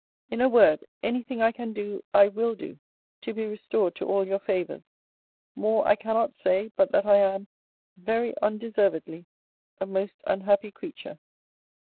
In a word, any thing I can do, I will do, to be restored to all your favours. More I cannot say, but that I am, very undeservedly, A most unhappy creature.